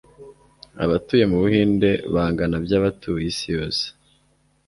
Abatuye mu Buhinde bangana byabatuye isi yose